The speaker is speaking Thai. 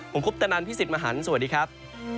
ผมคุปตะนันพี่สิทธิ์มหันฯสวัสดีครับ